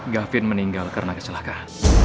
gavin meninggal karena kecelakaan